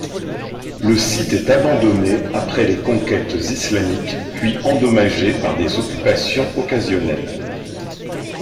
Le site est abandonné après les conquêtes islamiques puis endommagé par des occupations occasionnelles.